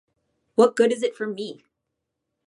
What good is it for me?